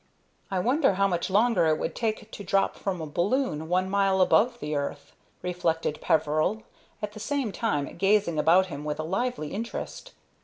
"I wonder how much longer it would take to drop from a balloon one mile above the earth?" reflected Peveril, at the same time gazing about him with a lively interest.